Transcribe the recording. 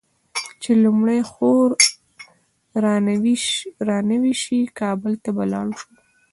چې لومړۍ خور رانوې شي؛ کابل ته به ولاړ شو.